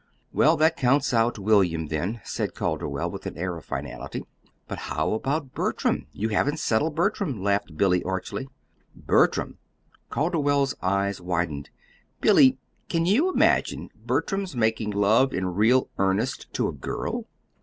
"Well, that counts out William, then," said Calderwell, with an air of finality. "But how about Bertram? You haven't settled Bertram," laughed Billy, archly. "Bertram!" Calderwell's eyes widened. "Billy, can you imagine Bertram's making love in real earnest to a girl?"